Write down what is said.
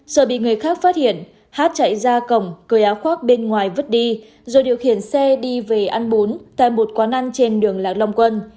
sợ bị người khác phát hiện hát chạy ra cổng cưới áo khoác bên ngoài vứt đi rồi điều khiển xe đi về ăn bốn tại một quán ăn trên đường lạc long quân